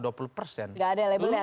tidak ada label ya